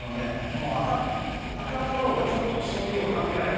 もう赤かろうがちょっとくすんでいようが関係ない。